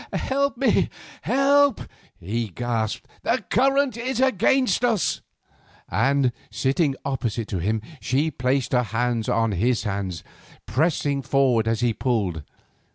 "Help me!" he gasped; "the current is against us." And, sitting opposite to him, she placed her hands upon his hands, pressing forward as he pulled.